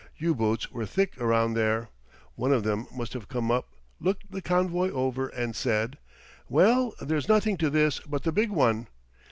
U boats were thick around there. One of them must have come up, looked the convoy over, and said, "Well, there's nothing to this but the big one!"